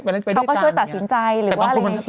มีหรอ